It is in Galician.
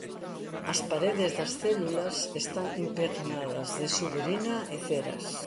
As paredes das células están impregnadas de suberina e ceras.